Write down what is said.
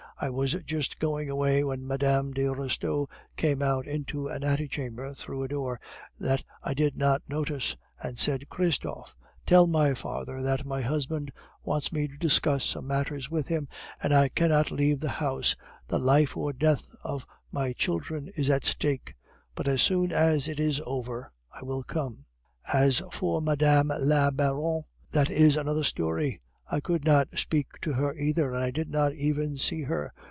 I was just going away when Mme. de Restaud came out into an ante chamber through a door that I did not notice, and said, 'Christophe, tell my father that my husband wants me to discuss some matters with him, and I cannot leave the house, the life or death of my children is at stake; but as soon as it is over, I will come.' As for Madame la Baronne, that is another story! I could not speak to her either, and I did not even see her.